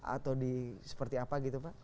atau di seperti apa gitu pak